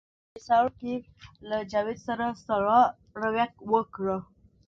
جلان په لومړي سر کې له جاوید سره سړه رویه وکړه